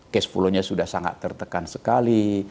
cash flow nya sudah sangat tertekan sekali